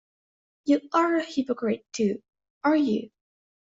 You are a hypocrite, too, are you?